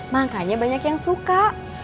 makanya banyak yang suka